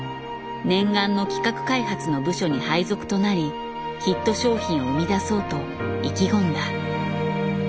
念願の企画開発の部署に配属となりヒット商品を生み出そうと意気込んだ。